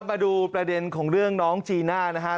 มาดูประเด็นของเรื่องน้องจีน่านะครับ